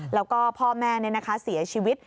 แล้วก็พ่อแม่เสียชีวิต